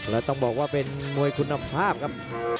และต้องบอกว่าเป็นมวยคุณภาพครับ